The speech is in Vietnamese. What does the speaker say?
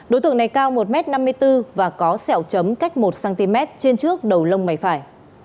đối tượng này cao một m năm mươi bốn và có sẹo chấm cách một cm trên trước đầu lông mày phải